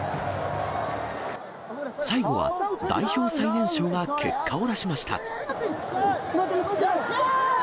最後は、代表最年少が結果を出しました。